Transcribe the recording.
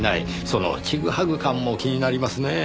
そのチグハグ感も気になりますねぇ。